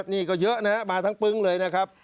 นี่ก็เยอะนะครับมาทั้งปึ้งเลยนะครับ